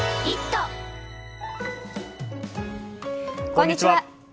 こんにちは。